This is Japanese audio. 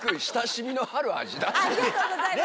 ありがとうございます。